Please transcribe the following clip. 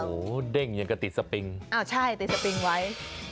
โอ้โหเด้งอย่างกับติดสปิงอ้าวใช่ติดสปิงไว้